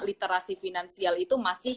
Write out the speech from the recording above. literasi finansial itu masih